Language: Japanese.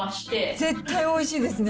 絶対おいしいですね。